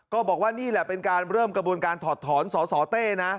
ก็บอกว่านี่แหละเป็นการเริ่มกระบวนการถอดถอนสสเต้นะ